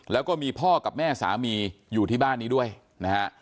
แล้วก็มีพ่อกับแม่สามีอยู่ที่บ้านนี้ด้วยนะฮะ